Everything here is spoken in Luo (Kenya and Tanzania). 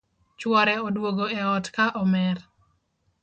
Chuore oduogo e ot ka omer